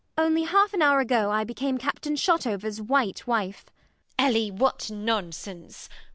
Only half an hour ago I became Captain Shotover's white wife. MRS HUSHABYE. Ellie! What nonsense!